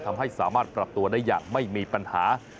ทำให้สามารถปรับตัวได้อย่างไม่มีปัญหา